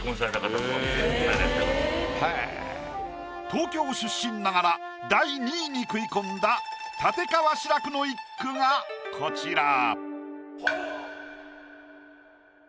東京出身ながら第２位に食い込んだ立川志らくの一句がこちら。